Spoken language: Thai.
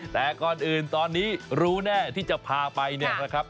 แต่ก่อนอื่นตอนนี้รู้แน่ที่จะพาไปเนี่ยนะครับ